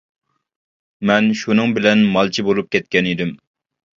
مەن شۇنىڭ بىلەن مالچى بولۇپ كەتكەن ئىدىم.